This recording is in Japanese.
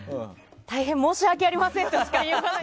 大変申し訳ありませんとしか言いようがない。